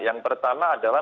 yang pertama adalah